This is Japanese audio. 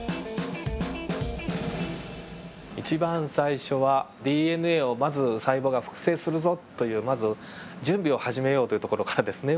一番最初はＤＮＡをまず細胞が複製するぞというまず準備を始めようというところからですね